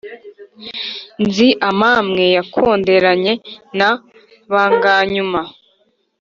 nzi amamwe yakonderanye na banganyuma